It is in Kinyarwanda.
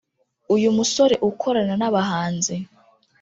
Uyu musore ukorana n’abahanzi